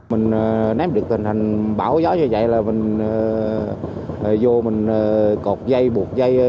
mình nắm được tình hình bão gió như vậy là mình vô mình cột dây buộc dây